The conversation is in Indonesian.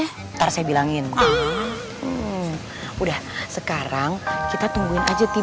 ntar saya bilangin udah sekarang kita tungguin aja tim